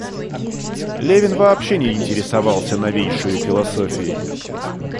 Левин вообще не интересовался новейшею философией.